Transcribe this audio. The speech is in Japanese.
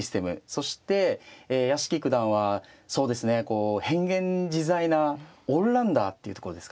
そして屋敷九段はそうですねこう変幻自在なオールラウンダーっていうところですかね。